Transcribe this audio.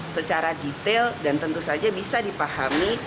secara detail dan tentu saja bisa dipahami